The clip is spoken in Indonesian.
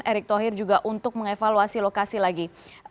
erick thohir juga untuk mengevaluasi lokasi lagi